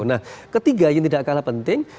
nah ketiga yang tidak kalah penting